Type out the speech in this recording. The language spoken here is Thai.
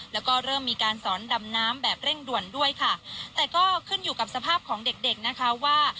แล้วก็เริ่มมีการสอนดำน้ำแบบเร่งด่วนด้วยค่ะแต่ก็ขึ้นอยู่กับสภาพของเด็กเด็กนะคะว่า